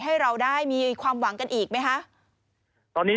ให้เราได้มีความหวังกันอีกไหมคะ